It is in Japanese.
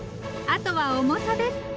あとは重さです。